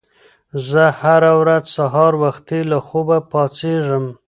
زه هره ورځ سهار وختي له خوبه پاڅېږم.